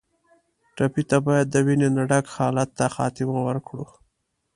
ټپي ته باید د وینې نه ډک حالت ته خاتمه ورکړو.